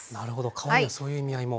皮にはそういう意味合いも。